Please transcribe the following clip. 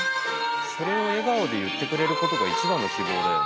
それを笑顔で言ってくれることが一番の希望だよ。